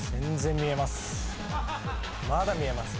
まだ見えますよ。